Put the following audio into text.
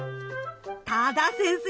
多田先生